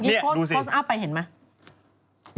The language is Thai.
นี่ดูสิโค้ชอัพไปเห็นมะนี่โค้ชอัพไปเห็นมะ